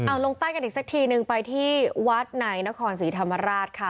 เอาลงใต้กันอีกสักทีนึงไปที่วัดในนครศรีธรรมราชค่ะ